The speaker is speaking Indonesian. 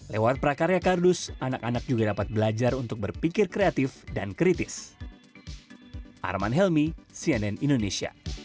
lewat prakarya kardus anak anak juga dapat belajar untuk berpikir kreatif dan kritis